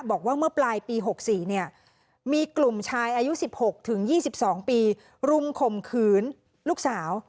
บอกว่าเมื่อปลายปี๖๔เนี่ยมีกลุ่มชายอายุ๑๖ถึง๒๒ปีรุมข่มขืนลูกสาว